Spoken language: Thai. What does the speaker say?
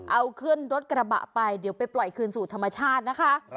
เอาขึ้นรถกระบะไปเดี๋ยวไปปล่อยคืนสู่ธรรมชาตินะคะ